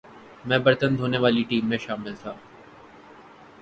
میں برتن دھونے والی ٹیم میں شامل تھا